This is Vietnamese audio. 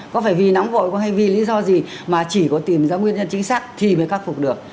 có phải vì nóng hội hay vì lý do gì mà chỉ có tìm ra nguyên nhân chính xác thì mới cắt phục được